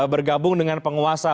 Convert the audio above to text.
bergabung dengan penguasa